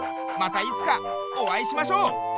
またいつかおあいしましょう！